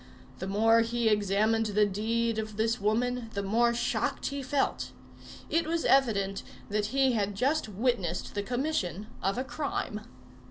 The more he examined the deed of this woman, the more shocked he felt. It was evident that he had just witnessed the commission of a crime.